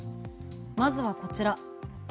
まずはこちら。